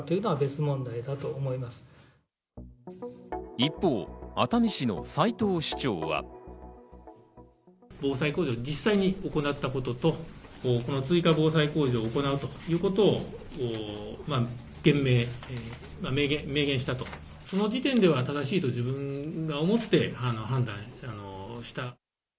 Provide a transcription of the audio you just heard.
一方、熱海市の齊藤市長は。防災工事を実際に行ったこと、追加防災工事を行うということを明言したと、その時点では正しいと自分が思って判断した。